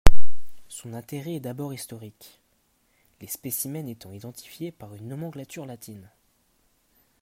Son intérêt est d’abord historique, les spécimens étant identifiés par une nomenclature latine.